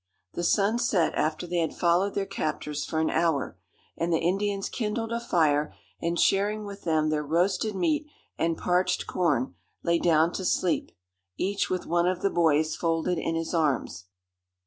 The sun set after they had followed their captors for an hour, and the Indians kindled a fire, and sharing with them their roasted meat and parched corn, lay down to sleep, each with one of the boys folded in his arms.